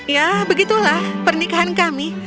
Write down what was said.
ya begitulah pernikahan kami